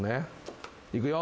いくよ。